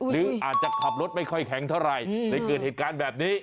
หรืออาจจะขับรถไม่ค่อยแข็งเท่าไหร่เลยเกิดเหตุการณ์แบบนี้